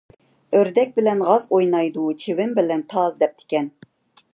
«ئۆردەك بىلەن غاز ئوينايدۇ، چىۋىن بىلەن تاز» دەپتىكەن.